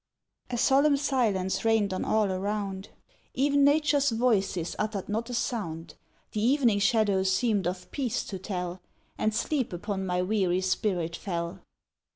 A solemn silence reigned on all around, E'en Nature's voices uttered not a sound; The evening shadows seemed of peace to tell, And sleep upon my weary spirit fell.